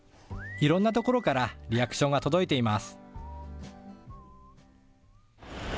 いろんなところからリアクションが届いています。